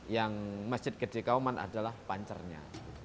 yang masjid gede kauman adalah pancernya